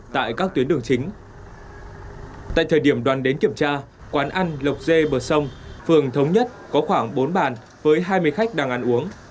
tại thời điểm đoàn đến kiểm tra quán ăn lộc dê bờ sông phường thống nhất có khoảng bốn bàn với hai mươi khách đang ăn uống